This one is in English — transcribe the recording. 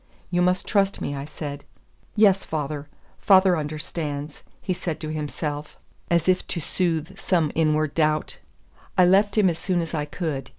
"You must trust me," I said. "Yes, father. Father understands," he said to himself, as if to soothe some inward doubt. I left him as soon as I could.